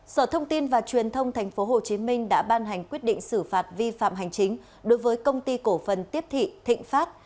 sở thông tin và truyền thông tp hcm đã ban hành quyết định xử phạt vi phạm hành chính đối với công ty cổ phần tiếp thị thịnh pháp